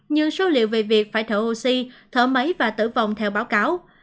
như số liệu về việc phải thở oxy thở máy và tử vong theo báo cáo